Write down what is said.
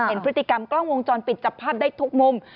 เห็นพฤติกรรมกล้องวงจรปิดจับภาพได้ทุกมุม